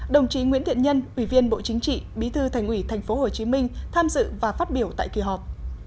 đồng chí nguyễn thiện nhân ủy viên bộ chính trị bí thư thành ủy tp hcm tham dự và phát biểu tại kỳ họp